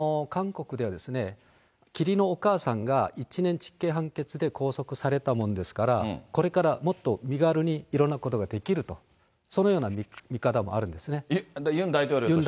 そうです、ただ韓国では、義理のお母さんが１年実刑判決で拘束されたもんですから、これからもっと身軽にいろんなことができると、ユン大統領ですか。